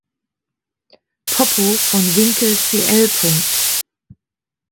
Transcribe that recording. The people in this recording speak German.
Poppo von Winkel cl.